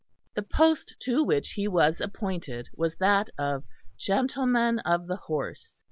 The post to which he was appointed was that of Gentleman of the Horse.